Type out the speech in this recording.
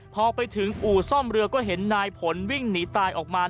พอไปถึงอู่ซ่อมเรือก็เห็นนายผลวิ่งหนีตายออกมา